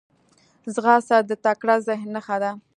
ځغاسته د تکړه ذهن نښه ده